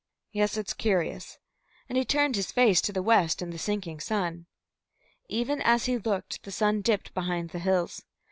Yes, it's curious," and he turned his face to the west and the sinking sun. Even as he looked, the sun dipped behind the hills.